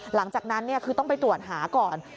หลังจากนั้นคือต้องไปตรวจหาก่อน